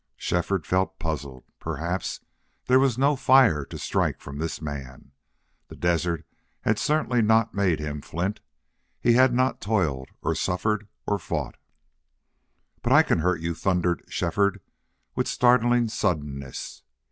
Shefford felt puzzled. Perhaps there was no fire to strike from this man. The desert had certainly not made him flint. He had not toiled or suffered or fought. "But I can hurt you," thundered Shefford, with startling suddenness.